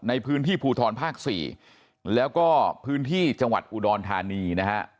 ในพื้นที่ภูทรภาค๔แล้วก็พื้นที่จังหวัดอุดรธานีนะฮะ